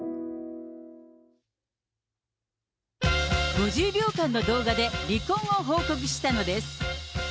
５０秒間の動画で離婚を報告したのです。